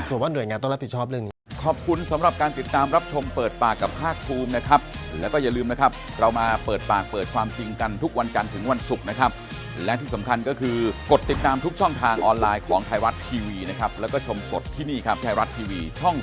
ผมว่าหน่วยงานต้องรับผิดชอบเรื่องนี้